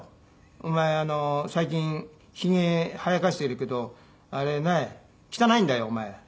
「お前最近ヒゲ生やかしているけどあれね汚いんだよお前」。